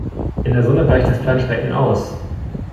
In der Sonne bleicht das Planschbecken aus.